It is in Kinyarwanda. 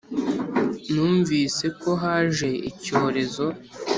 Numviseko haje icyorezo